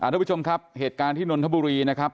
ทุกผู้ชมครับเหตุการณ์ที่นนทบุรีนะครับ